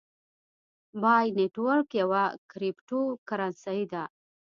پای نیټورک یوه کریپټو کرنسۍ ده